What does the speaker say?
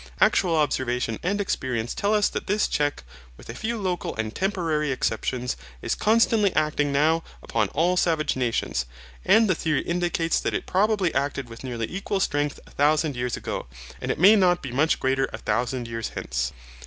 Actual observation and experience tell us that this check, with a few local and temporary exceptions, is constantly acting now upon all savage nations, and the theory indicates that it probably acted with nearly equal strength a thousand years ago, and it may not be much greater a thousand years hence.